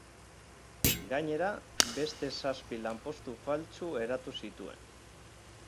Gainera, beste zazpi lanpostu faltsu eratu zituen.